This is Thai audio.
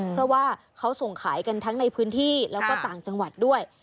เพราะว่าเขาส่งขายกันทั้งในพื้นที่แล้วก็ต่างจังหวัดด้วย